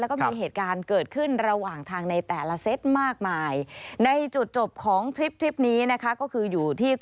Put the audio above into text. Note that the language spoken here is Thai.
แล้วก็มีเหตุการณ์เกิดขึ้นระหว่างทางในแต่ละเซ็ตมากมาย